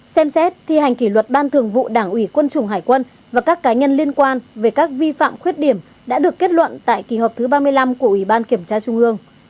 ba xem xét thi hành kỷ luật ban thường vụ đảng ủy quân chủng hải quân và các cá nhân liên quan về các vi phạm khuyết điểm đã được kết luận tại kỳ họp thứ ba mươi năm của ủy ban kiểm tra trung ương